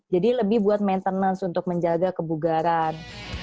jadi lebih buat maintenance untuk menjaga kebugaran